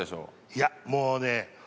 いやもうね